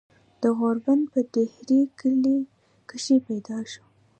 د غوربند پۀ ډهيرۍ کلي کښې پيدا شو ۔